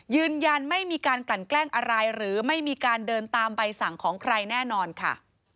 ยืนยันไม่มีการกลั่นแกล้งอะไรหรือไม่มีการเดินตามใบสั่งของใครแน่นอนค่ะ